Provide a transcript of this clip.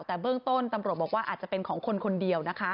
แต่เบื้องต้นตำรวจบอกว่าอาจจะเป็นของคนคนเดียวนะคะ